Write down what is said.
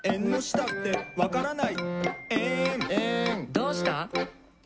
「どうした？」